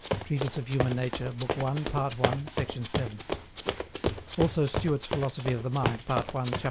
Treatise of Human Nature, book i, part i, sect. 7. Also Stewart's Philosophy of the Mind, part i, chapt.